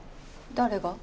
誰が？